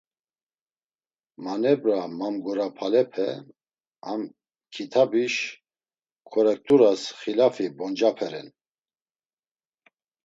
Manebra mamgurapalepe, Ham kitabiş ǩorekt̆uras xilafi boncape ren.